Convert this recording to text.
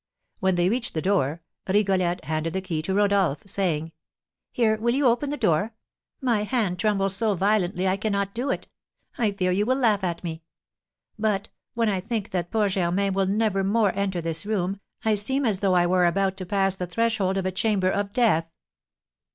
When they reached the door, Rigolette handed the key to Rodolph, saying: "Here, will you open the door? My hand trembles so violently, I cannot do it. I fear you will laugh at me. But, when I think that poor Germain will never more enter this room, I seem as though I were about to pass the threshold of a chamber of death."